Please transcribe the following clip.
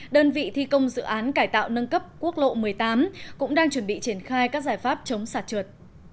đơn vị thi công dự án cải tạo nâng cấp quốc lộ một mươi tám cũng đang chuẩn bị triển khai các giải pháp chống sạt trượt